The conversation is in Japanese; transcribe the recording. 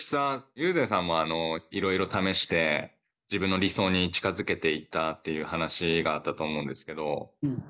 雄然さんもいろいろ試して自分の理想に近づけていったっていう話があったと思うんですけど。